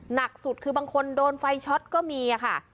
หนักสุดคือบางคนโดนไฟช็อตก็มีค่ะ